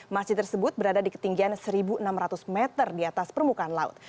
masjid tersebut berada di ketinggian seribu enam ratus meter di atas permukaan laut